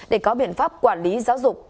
để có biện pháp quản lý giáo dục